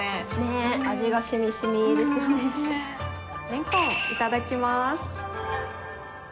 レンコンいただきます。